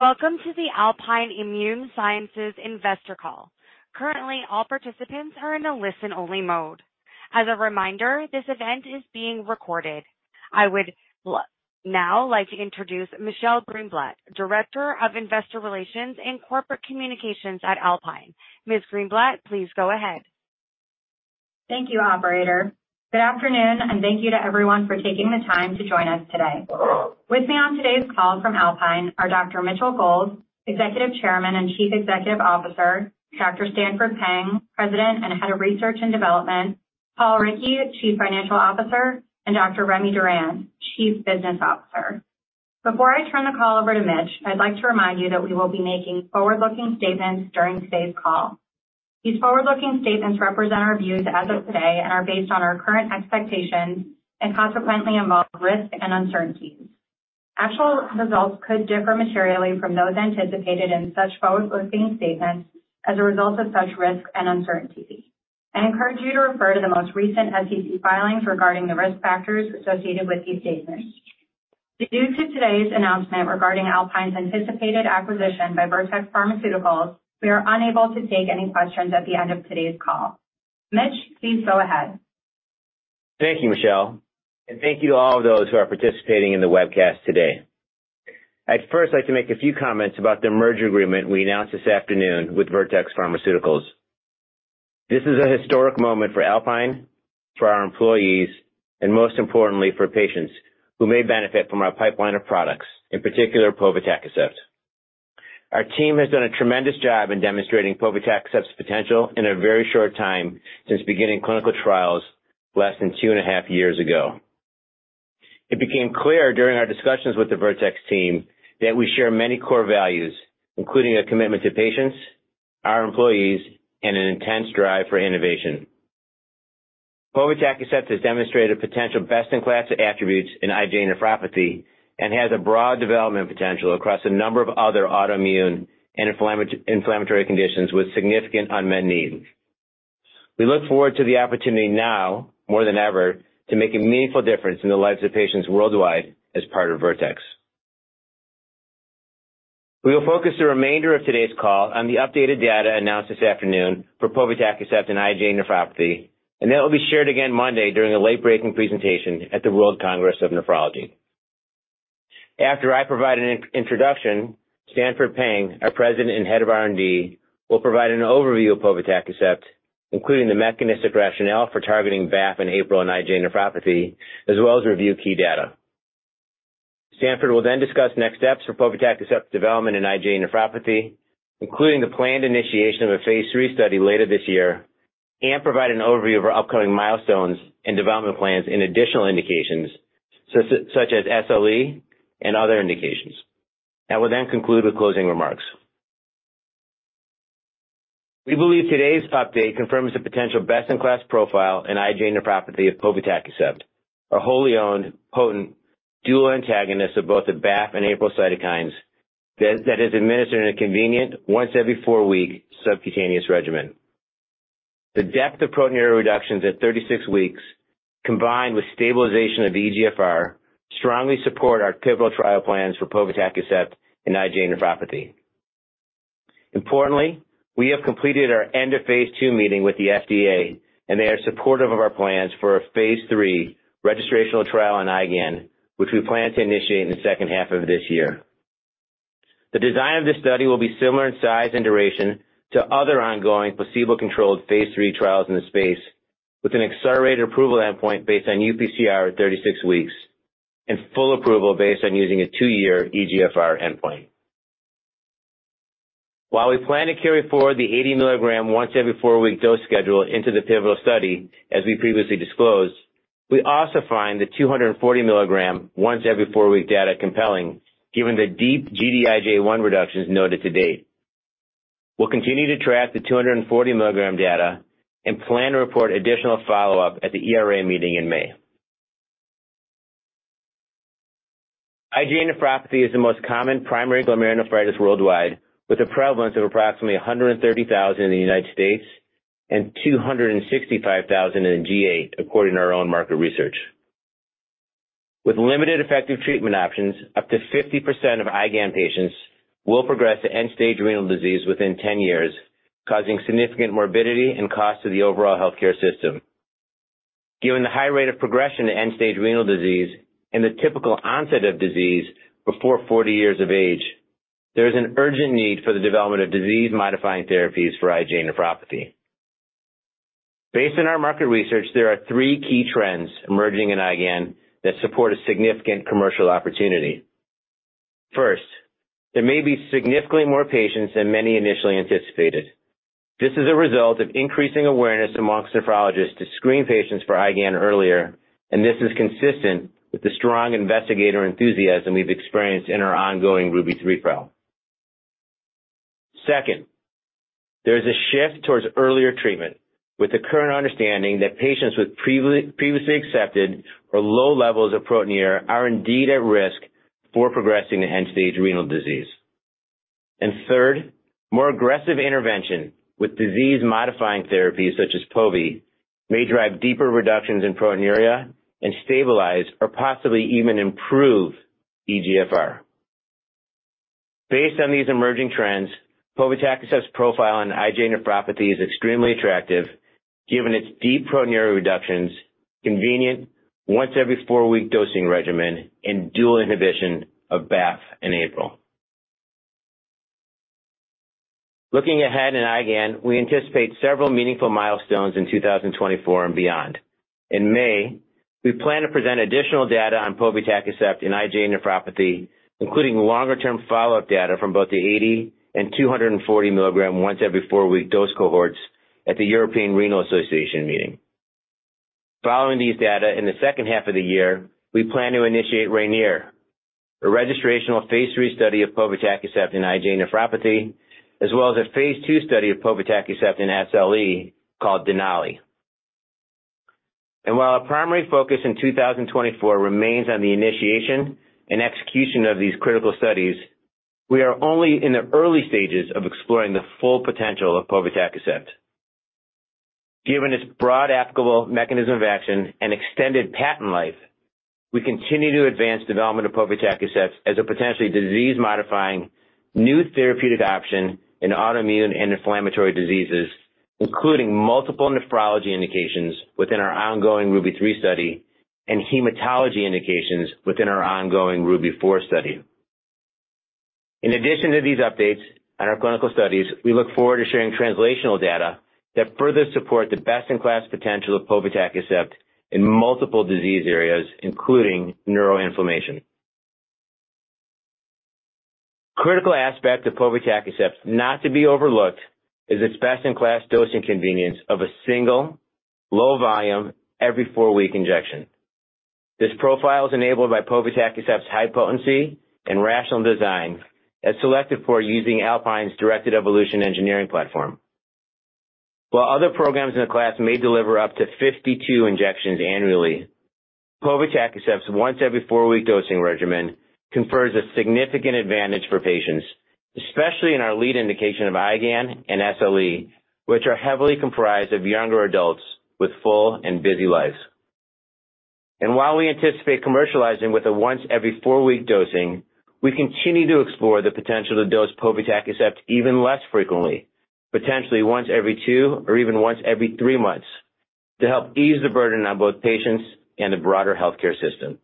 Welcome to the Alpine Immune Sciences investor call. Currently, all participants are in a listen-only mode. As a reminder, this event is being recorded. I would now like to introduce Michelle Greenblatt, Director of Investor Relations and Corporate Communications at Alpine. Ms. Greenblatt, please go ahead. Thank you, Operator. Good afternoon, and thank you to everyone for taking the time to join us today. With me on today's call from Alpine are Dr. Mitchell Gold, Executive Chairman and Chief Executive Officer; Dr. Stanford Peng, President and Head of Research and Development; Paul Rickey, Chief Financial Officer; and Dr. Remy Durand, Chief Business Officer. Before I turn the call over to Mitch, I'd like to remind you that we will be making forward-looking statements during today's call. These forward-looking statements represent our views as of today and are based on our current expectations and consequently involve risk and uncertainties. Actual results could differ materially from those anticipated in such forward-looking statements as a result of such risk and uncertainty. I encourage you to refer to the most recent SEC filings regarding the risk factors associated with these statements. Due to today's announcement regarding Alpine's anticipated acquisition by Vertex Pharmaceuticals, we are unable to take any questions at the end of today's call. Mitch, please go ahead. Thank you, Michelle. Thank you to all of those who are participating in the webcast today. I'd first like to make a few comments about the merger agreement we announced this afternoon with Vertex Pharmaceuticals. This is a historic moment for Alpine, for our employees, and most importantly for patients who may benefit from our pipeline of products, in particular povetacicept. Our team has done a tremendous job in demonstrating povetacicept's potential in a very short time since beginning clinical trials less than two and a half years ago. It became clear during our discussions with the Vertex team that we share many core values, including a commitment to patients, our employees, and an intense drive for innovation. Povetacicept has demonstrated potential best-in-class attributes in IgA nephropathy and has a broad development potential across a number of other autoimmune and inflammatory conditions with significant unmet needs. We look forward to the opportunity now, more than ever, to make a meaningful difference in the lives of patients worldwide as part of Vertex. We will focus the remainder of today's call on the updated data announced this afternoon for povetacicept and IgA nephropathy, and that will be shared again Monday during a late-breaking presentation at the World Congress of Nephrology. After I provide an introduction, Stanford Peng, our President and Head of R&D, will provide an overview of povetacicept, including the mechanistic rationale for targeting BAFF and APRIL and IgA nephropathy, as well as review key data. Stanford will then discuss next steps for povetacicept's development in IgA nephropathy, including the planned initiation of a phase III study later this year, and provide an overview of our upcoming milestones and development plans in additional indications such as SLE and other indications. I will then conclude with closing remarks. We believe today's update confirms the potential best-in-class profile in IgA nephropathy of povetacicept, a wholly owned, potent dual antagonist of both the BAFF and APRIL cytokines that is administered in a convenient once every four-week subcutaneous regimen. The depth of proteinuria reductions at 36 weeks, combined with stabilization of eGFR, strongly support our pivotal trial plans for povetacicept and IgA nephropathy. Importantly, we have completed our end-of-phase II meeting with the FDA, and they are supportive of our plans for a phase III registrational trial in IgAN, which we plan to initiate in the second half of this year. The design of this study will be similar in size and duration to other ongoing placebo-controlled phase III trials in the space, with an accelerated approval endpoint based on UPCR at 36 weeks and full approval based on using a two-year eGFR endpoint. While we plan to carry forward the 80 mg once every four-week dose schedule into the pivotal study, as we previously disclosed, we also find the 240 mg once every four-week data compelling, given the deep Gd-IgA1 reductions noted to date. We'll continue to track the 240 mg data and plan to report additional follow-up at the ERA meeting in May. IgA nephropathy is the most common primary glomerulonephritis worldwide, with a prevalence of approximately 130,000 in the United States and 265,000 in G8, according to our own market research. With limited effective treatment options, up to 50% of IgAN patients will progress to end-stage renal disease within 10 years, causing significant morbidity and cost to the overall healthcare system. Given the high rate of progression to end-stage renal disease and the typical onset of disease before 40 years of age, there is an urgent need for the development of disease-modifying therapies for IgA nephropathy. Based on our market research, there are three key trends emerging in IgAN that support a significant commercial opportunity. First, there may be significantly more patients than many initially anticipated. This is a result of increasing awareness among nephrologists to screen patients for IgAN earlier, and this is consistent with the strong investigator enthusiasm we've experienced in our ongoing RUBY-3 trial. Second, there is a shift towards earlier treatment, with the current understanding that patients with previously accepted or low levels of proteinuria are indeed at risk for progressing to end-stage renal disease. Third, more aggressive intervention with disease-modifying therapies such as povetacicept may drive deeper reductions in proteinuria and stabilize or possibly even improve eGFR. Based on these emerging trends, povetacicept's profile in IgA nephropathy is extremely attractive, given its deep proteinuria reductions, convenient once-every-four-week dosing regimen, and dual inhibition of BAFF and APRIL. Looking ahead in IgAN, we anticipate several meaningful milestones in 2024 and beyond. In May, we plan to present additional data on povetacicept in IgA nephropathy, including longer-term follow-up data from both the 80 mg and 240 mg once-every-four-week dose cohorts at the European Renal Association meeting. Following these data in the second half of the year, we plan to initiate RAINIER, a registrational phase III study of povetacicept in IgA nephropathy, as well as a phase II study of povetacicept in SLE called DENALI. While our primary focus in 2024 remains on the initiation and execution of these critical studies, we are only in the early stages of exploring the full potential of povetacicept. Given its broad applicable mechanism of action and extended patent life, we continue to advance development of povetacicept as a potentially disease-modifying new therapeutic option in autoimmune and inflammatory diseases, including multiple nephrology indications within our ongoing RUBY-3 study and hematology indications within our ongoing RUBY-4 study. In addition to these updates on our clinical studies, we look forward to sharing translational data that further support the best-in-class potential of povetacicept in multiple disease areas, including neuroinflammation. A critical aspect of povetacicept not to be overlooked is its best-in-class dosing convenience of a single, low-volume, every-four-week injection. This profile is enabled by povetacicept's high potency and rational design as selected for using Alpine's directed evolution engineering platform. While other programs in the class may deliver up to 52 injections annually, povetacicept's once-every-four-week dosing regimen confers a significant advantage for patients, especially in our lead indication of IgAN and SLE, which are heavily comprised of younger adults with full and busy lives. While we anticipate commercializing with a once-every-four-week dosing, we continue to explore the potential to dose povetacicept even less frequently, potentially once every two or even once every three months, to help ease the burden on both patients and the broader healthcare system.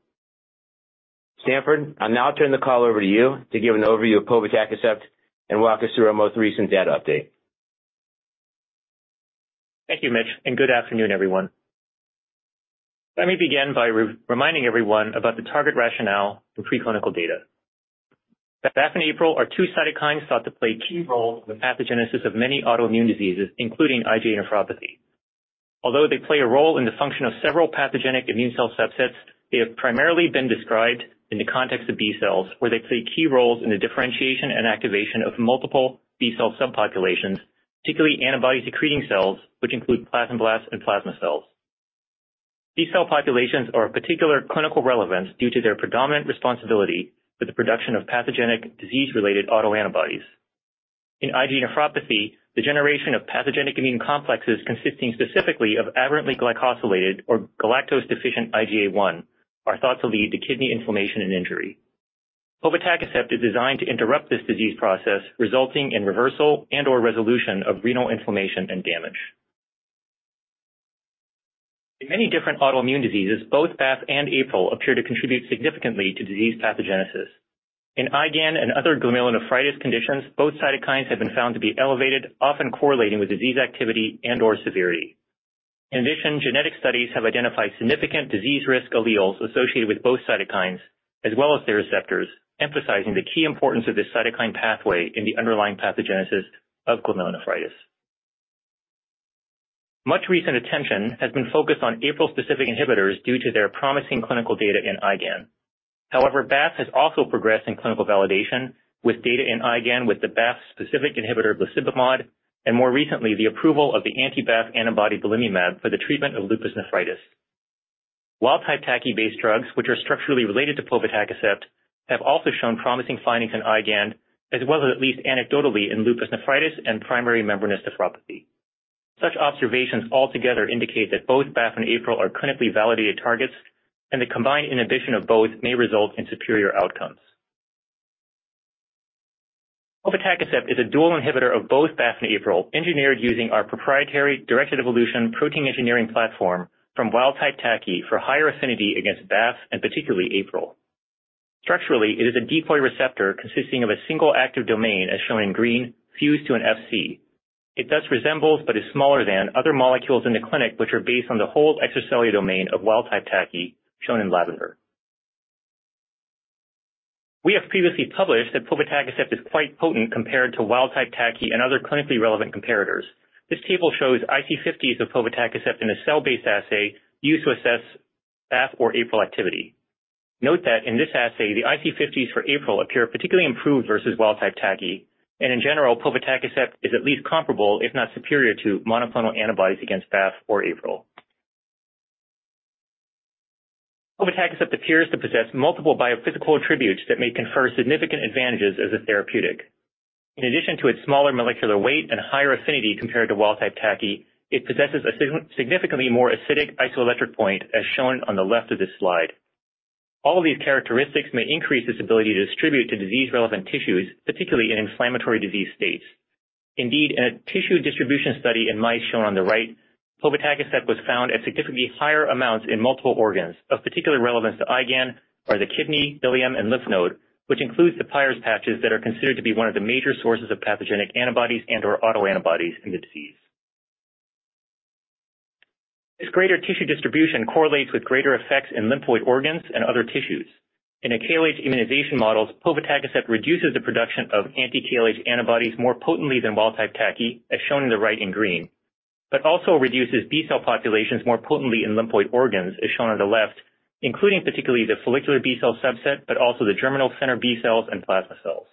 Stanford, I'll now turn the call over to you to give an overview of povetacicept and walk us through our most recent data update. Thank you, Mitch, and good afternoon, everyone. Let me begin by reminding everyone about the target rationale and preclinical data. BAFF and APRIL are two cytokines thought to play a key role in the pathogenesis of many autoimmune diseases, including IgA nephropathy. Although they play a role in the function of several pathogenic immune cell subsets, they have primarily been described in the context of B cells, where they play key roles in the differentiation and activation of multiple B cell subpopulations, particularly antibody-secreting cells, which include plasmablasts and plasma cells. B cell populations are of particular clinical relevance due to their predominant responsibility for the production of pathogenic disease-related autoantibodies. In IgA nephropathy, the generation of pathogenic immune complexes consisting specifically of aberrantly glycosylated or galactose-deficient IgA1 are thought to lead to kidney inflammation and injury. Povetacicept is designed to interrupt this disease process, resulting in reversal and/or resolution of renal inflammation and damage. In many different autoimmune diseases, both BAFF and APRIL appear to contribute significantly to disease pathogenesis. In IgAN and other glomerulonephritis conditions, both cytokines have been found to be elevated, often correlating with disease activity and/or severity. In addition, genetic studies have identified significant disease-risk alleles associated with both cytokines, as well as their receptors, emphasizing the key importance of this cytokine pathway in the underlying pathogenesis of glomerulonephritis. Much recent attention has been focused on APRIL-specific inhibitors due to their promising clinical data in IgAN. However, BAFF has also progressed in clinical validation, with data in IgAN with the BAFF-specific inhibitor blisibimod and, more recently, the approval of the anti-BAFF antibody belimumab for the treatment of lupus nephritis. Wild-type TACI-based drugs, which are structurally related to povetacicept, have also shown promising findings in IgAN, as well as at least anecdotally in lupus nephritis and primary membranous nephropathy. Such observations altogether indicate that both BAFF and APRIL are clinically validated targets, and the combined inhibition of both may result in superior outcomes. Povetacicept is a dual inhibitor of both BAFF and APRIL, engineered using our proprietary directed evolution protein engineering platform from wild-type TACI for higher affinity against BAFF and particularly APRIL. Structurally, it is a decoy receptor consisting of a single active domain, as shown in green, fused to an Fc. It thus resembles but is smaller than other molecules in the clinic, which are based on the whole extracellular domain of wild-type TACI shown in lavender. We have previously published that povetacicept is quite potent compared to wild-type TACI and other clinically relevant comparators. This table shows IC50s of povetacicept in a cell-based assay used to assess BAFF or APRIL activity. Note that in this assay, the IC50s for APRIL appear particularly improved versus wild-type TACI, and in general, povetacicept is at least comparable, if not superior, to monoclonal antibodies against BAFF or APRIL. Povetacicept appears to possess multiple biophysical attributes that may confer significant advantages as a therapeutic. In addition to its smaller molecular weight and higher affinity compared to wild-type TACI, it possesses a significantly more acidic isoelectric point, as shown on the left of this slide. All of these characteristics may increase its ability to distribute to disease-relevant tissues, particularly in inflammatory disease states. Indeed, in a tissue distribution study in mice shown on the right, povetacicept was found at significantly higher amounts in multiple organs of particular relevance to IgAN, or the kidney, ileum, and lymph node, which includes the Peyer's patches that are considered to be one of the major sources of pathogenic antibodies and/or autoantibodies in the disease. This greater tissue distribution correlates with greater effects in lymphoid organs and other tissues. In a KLH immunization model, povetacicept reduces the production of anti-KLH antibodies more potently than wild-type TACI, as shown in the right in green, but also reduces B cell populations more potently in lymphoid organs, as shown on the left, including particularly the follicular B cell subset but also the germinal center B cells and plasma cells.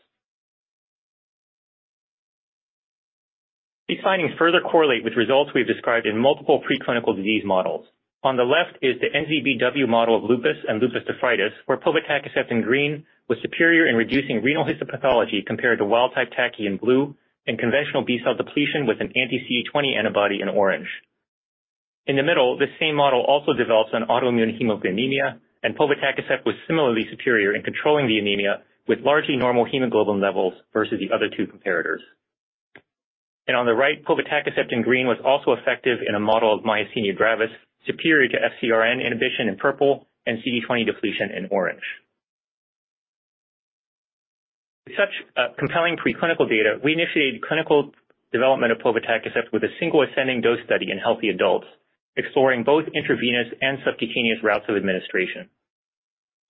These findings further correlate with results we've described in multiple preclinical disease models. On the left is the NZB/W model of lupus and lupus nephritis, where povetacicept in green was superior in reducing renal histopathology compared to wild-type TACI in blue and conventional B cell depletion with an anti-CD20 antibody in orange. In the middle, this same model also develops an autoimmune hemolytic anemia, and povetacicept was similarly superior in controlling the anemia with largely normal hemoglobin levels versus the other two comparators. On the right, povetacicept in green was also effective in a model of myasthenia gravis, superior to FcRn inhibition in purple and CD20 depletion in orange. With such compelling preclinical data, we initiated clinical development of povetacicept with a single ascending dose study in healthy adults, exploring both intravenous and subcutaneous routes of administration.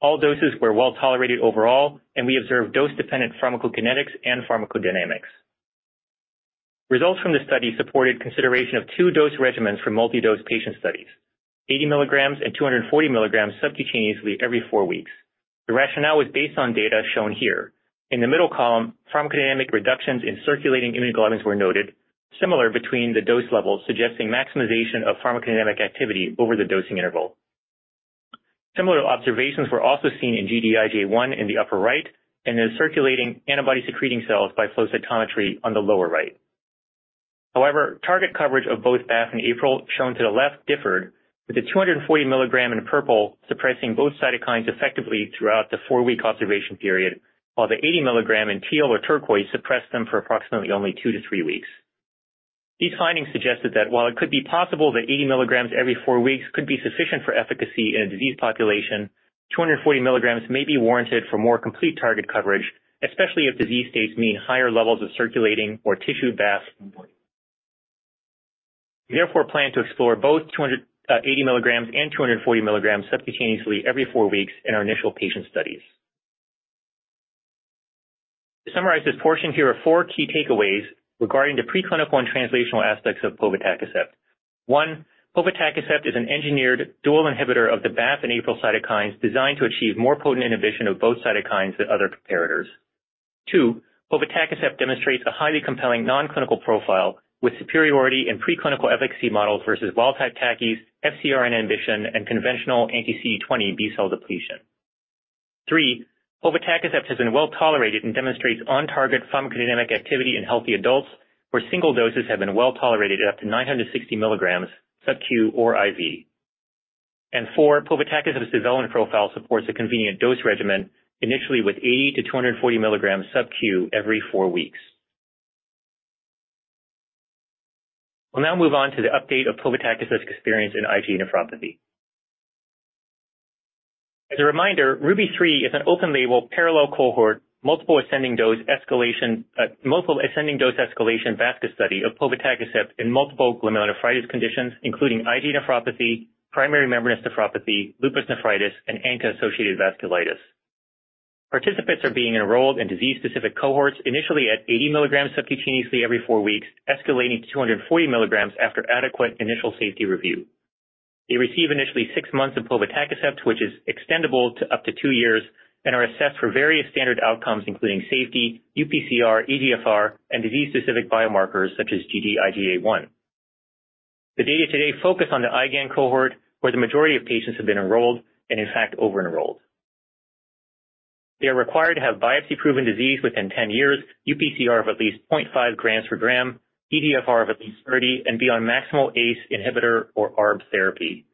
All doses were well tolerated overall, and we observed dose-dependent pharmacokinetics and pharmacodynamics. Results from the study supported consideration of two dose regimens for multidose patient studies: 80 mg and 240 mg subcutaneously every four weeks. The rationale was based on data shown here. In the middle column, pharmacodynamic reductions in circulating immunoglobulins were noted, similar between the dose levels, suggesting maximization of pharmacodynamic activity over the dosing interval. Similar observations were also seen in Gd-IgA1 in the upper right and in circulating antibody-secreting cells by flow cytometry on the lower right. However, target coverage of both BAFF and APRIL shown to the left differed, with the 240 mg in purple suppressing both cytokines effectively throughout the four-week observation period, while the 80 mg in teal or turquoise suppressed them for approximately only two-three weeks. These findings suggested that while it could be possible that 80 mg every four weeks could be sufficient for efficacy in a disease population, 240 mg may be warranted for more complete target coverage, especially if disease states mean higher levels of circulating or tissue BAFF. We therefore plan to explore both 80 mg and 240 mg subcutaneously every four weeks in our initial patient studies. To summarize this portion, here are four key takeaways regarding the preclinical and translational aspects of povetacicept. One, povetacicept is an engineered dual inhibitor of the BAFF and APRIL cytokines designed to achieve more potent inhibition of both cytokines than other comparators. Two, povetacicept demonstrates a highly compelling nonclinical profile with superiority in preclinical efficacy models versus wild-type TACI, FcRn inhibition, and conventional anti-CD20 B cell depletion. Three, povetacicept has been well tolerated and demonstrates on-target pharmacodynamic activity in healthy adults, where single doses have been well tolerated at up to 960 mg subcu or IV. And four, povetacicept's development profile supports a convenient dose regimen, initially with 80 mg-240 mg subcu every four weeks. We'll now move on to the update of povetacicept's experience in IgA nephropathy. As a reminder, RUBY-3 is an open-label parallel cohort multiple ascending dose escalation basket study of povetacicept in multiple glomerulonephritis conditions, including IgA nephropathy, primary membranous nephropathy, lupus nephritis, and ANCA-associated vasculitis. Participants are being enrolled in disease-specific cohorts initially at 80 mg subcutaneously every four weeks, escalating to 240 mg after adequate initial safety review. They receive initially six months of povetacicept, which is extendable to up to two years, and are assessed for various standard outcomes, including safety, UPCR, eGFR, and disease-specific biomarkers such as Gd-IgA1. The data today focus on the IgAN cohort, where the majority of patients have been enrolled and, in fact, over-enrolled. They are required to have biopsy-proven disease within 10 years, UPCR of at least 0.5 g per gram, eGFR of at least 30, and be on maximal ACE inhibitor or ARB therapy.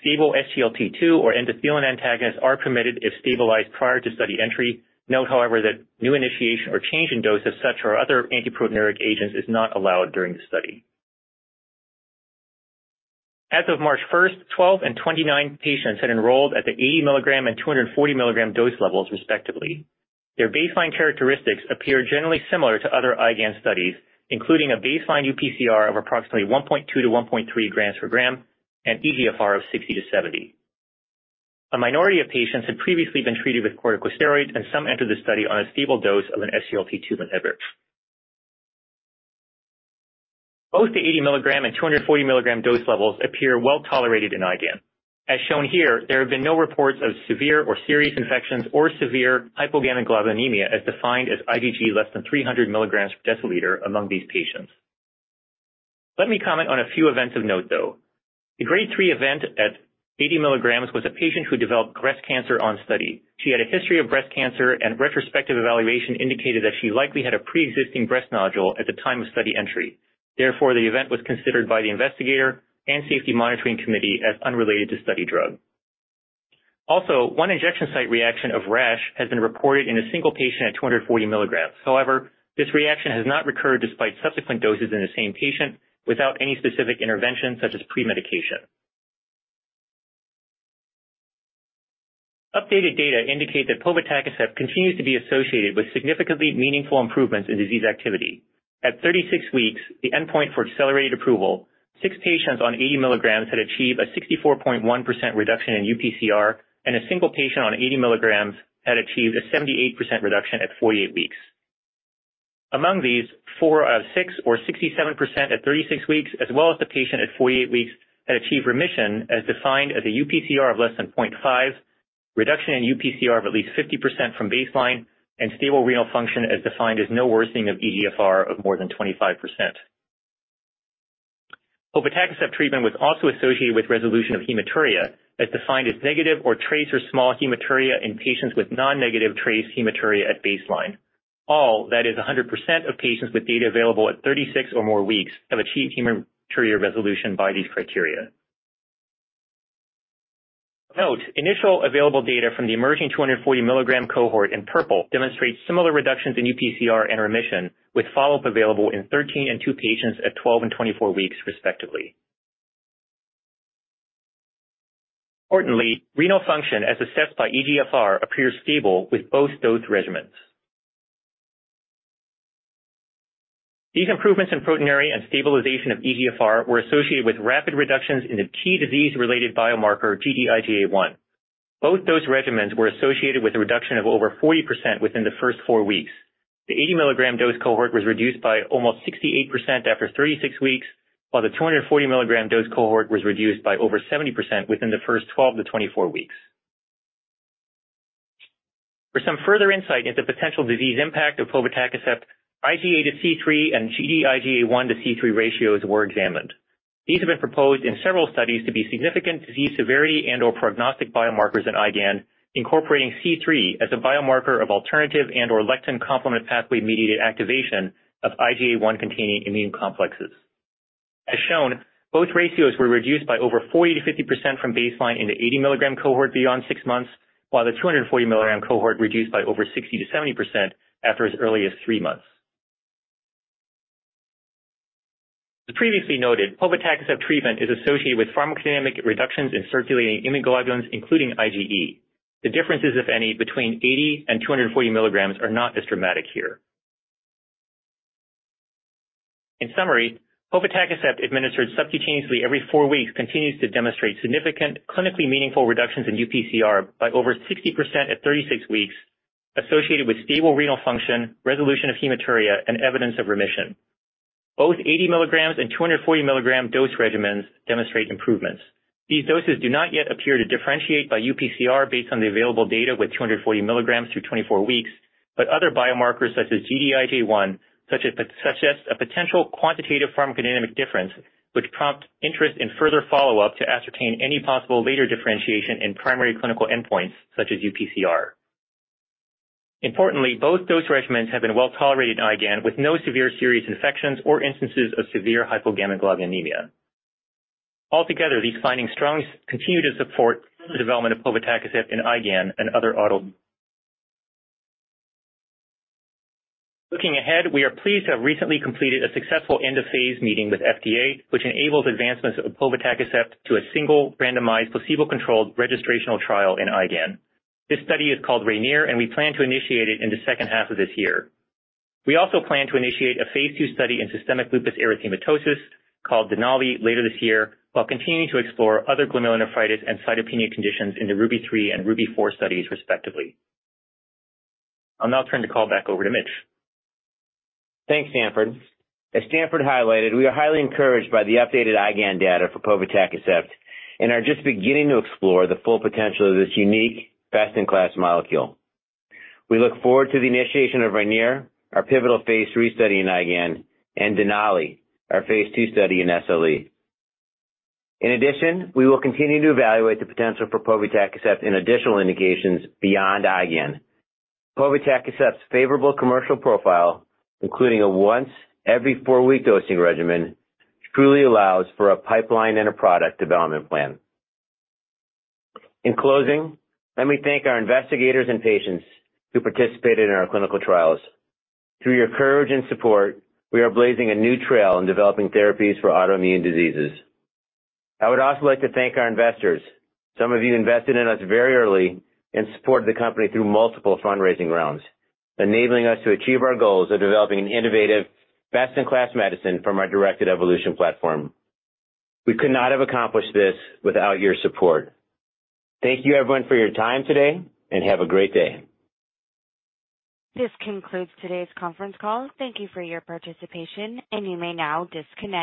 Stable SGLT2 or endothelin antagonists are permitted if stabilized prior to study entry. Note, however, that new initiation or change in dose of such or other antiproteinuric agents is not allowed during the study. As of March 1st, 12 and 29 patients had enrolled at the 80 mg and 240 mg dose levels, respectively. Their baseline characteristics appear generally similar to other IgAN studies, including a baseline UPCR of approximately 1.2 g-1.3 g per gram and eGFR of 60-70. A minority of patients had previously been treated with corticosteroids, and some entered the study on a stable dose of an SGLT2 inhibitor. Both the 80 mg and 240 mg dose levels appear well tolerated in IgAN. As shown here, there have been no reports of severe or serious infections or severe hypogammaglobulinemia as defined as IgG less than 300 mg/dL among these patients. Let me comment on a few events of note, though. The grade three event at 80 mg was a patient who developed breast cancer on study. She had a history of breast cancer, and retrospective evaluation indicated that she likely had a preexisting breast nodule at the time of study entry. Therefore, the event was considered by the investigator and safety monitoring committee as unrelated to study drug. Also, one injection site reaction of rash has been reported in a single patient at 240 mg. However, this reaction has not recurred despite subsequent doses in the same patient without any specific intervention, such as premedication. Updated data indicate that povetacicept continues to be associated with significantly meaningful improvements in disease activity. At 36 weeks, the endpoint for accelerated approval, six patients on 80 mg had achieved a 64.1% reduction in UPCR, and a single patient on 80 mg had achieved a 78% reduction at 48 weeks. Among these, four out of six, or 67% at 36 weeks, as well as the patient at 48 weeks, had achieved remission as defined as a UPCR of less than 0.5, reduction in UPCR of at least 50% from baseline, and stable renal function as defined as no worsening of eGFR of more than 25%. Povetacicept treatment was also associated with resolution of hematuria as defined as negative or trace or small hematuria in patients with non-negative trace hematuria at baseline. All, that is, 100% of patients with data available at 36 or more weeks have achieved hematuria resolution by these criteria. Note, initial available data from the emerging 240 mg cohort in purple demonstrates similar reductions in UPCR and remission, with follow-up available in 13 and two patients at 12 and 24 weeks, respectively. Importantly, renal function as assessed by eGFR appears stable with both dose regimens. These improvements in proteinuria and stabilization of eGFR were associated with rapid reductions in the key disease-related biomarker Gd-IgA1. Both dose regimens were associated with a reduction of over 40% within the first four weeks. The 80 mg dose cohort was reduced by almost 68% after 36 weeks, while the 240 mg dose cohort was reduced by over 70% within the first 12-24 weeks. For some further insight into the potential disease impact of povetacicept, IgA to C3 and Gd-IgA1 to C3 ratios were examined. These have been proposed in several studies to be significant disease severity and/or prognostic biomarkers in IgAN, incorporating C3 as a biomarker of alternative and/or lectin complement pathway-mediated activation of IgA1-containing immune complexes. As shown, both ratios were reduced by over 40%-50% from baseline in the 80 mg cohort beyond six months, while the 240 mg cohort reduced by over 60%-70% after as early as three months. As previously noted, povetacicept treatment is associated with pharmacodynamic reductions in circulating immunoglobulins, including IgE. The differences, if any, between 80 mg and 240 mg are not as dramatic here. In summary, povetacicept administered subcutaneously every four weeks continues to demonstrate significant, clinically meaningful reductions in UPCR by over 60% at 36 weeks, associated with stable renal function, resolution of hematuria, and evidence of remission. Both 80 mg and 240 mg dose regimens demonstrate improvements. These doses do not yet appear to differentiate by UPCR based on the available data with 240 mg through 24 weeks, but other biomarkers such as Gd-IgA1 suggest a potential quantitative pharmacodynamic difference, which prompt interest in further follow-up to ascertain any possible later differentiation in primary clinical endpoints such as UPCR. Importantly, both dose regimens have been well tolerated in IgAN with no severe serious infections or instances of severe hypogammaglobulinemia. Altogether, these findings strongly continue to support further development of povetacicept in IgAN and other autoimmune diseases. Looking ahead, we are pleased to have recently completed a successful end-of-phase meeting with FDA, which enables advancements of povetacicept to a single randomized placebo-controlled registrational trial in IgAN. This study is called RAINIER, and we plan to initiate it in the second half of this year. We also plan to initiate a phase II study in systemic lupus erythematosus called DENALI later this year, while continuing to explore other glomerulonephritis and cytopenia conditions in the RUBY-3 and RUBY-4 studies, respectively. I'll now turn the call back over to Mitch. Thanks, Stanford. As Stanford highlighted, we are highly encouraged by the updated IgAN data for povetacicept and are just beginning to explore the full potential of this unique, best-in-class molecule. We look forward to the initiation of RAINIER, our pivotal phase III study in IgAN, and DENALI, our phase II study in SLE. In addition, we will continue to evaluate the potential for povetacicept in additional indications beyond IgAN. Povetacicept's favorable commercial profile, including a once-every-four-week dosing regimen, truly allows for a pipeline and a product development plan. In closing, let me thank our investigators and patients who participated in our clinical trials. Through your courage and support, we are blazing a new trail in developing therapies for autoimmune diseases. I would also like to thank our investors. Some of you invested in us very early and supported the company through multiple fundraising rounds, enabling us to achieve our goals of developing an innovative, best-in-class medicine from our directed evolution platform. We could not have accomplished this without your support. Thank you, everyone, for your time today, and have a great day. This concludes today's conference call. Thank you for your participation, and you may now disconnect.